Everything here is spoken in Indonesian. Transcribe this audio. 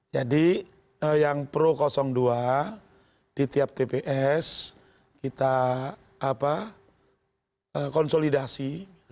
jadi yang pro dua di tiap tps kita konsolidasi